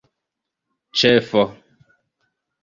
ĉefo